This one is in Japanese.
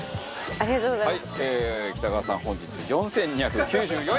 ありがとうございます。